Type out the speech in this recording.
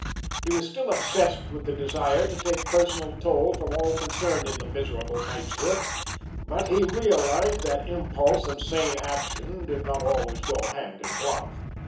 He was still obsessed with the desire to take personal toll from all concerned in the miserable night's work, but he realized that impulse and sane action did not always go hand in glove.